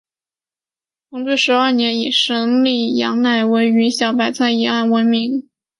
同治十二年以审理杨乃武与小白菜一案闻名。